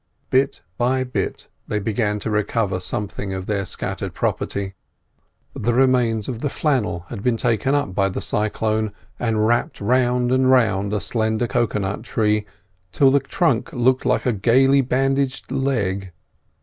Bit by bit they began to recover something of their scattered property. The remains of the flannel had been taken by the cyclone and wrapped round and round a slender cocoa nut tree, till the trunk looked like a gaily bandaged leg.